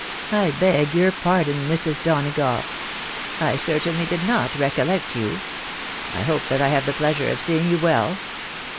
•• I beg your pardon, Mrs. O'Donagough .... I certainly did not recollect you. I hope that I have the pleasure of seeing you wefl?"